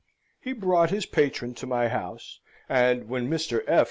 He brought his patron to my house; and when Mr. F.